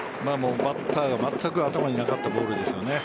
バッターがまったく頭になかったボールですよね。